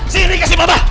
sini kasih papa